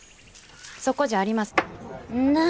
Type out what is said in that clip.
そこじゃありません。